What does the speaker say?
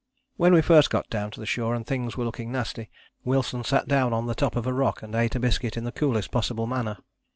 "When we first got down to the shore and things were looking nasty, Wilson sat down on the top of a rock and ate a biscuit in the coolest possible manner.